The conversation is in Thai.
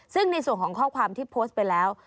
ซึ่งในส่วนของข้อความที่โพสต์ไปแล้ว